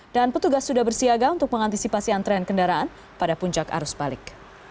dan petugas sudah bersiaga untuk mengantisipasi antrean kendaraan pada puncak arus balik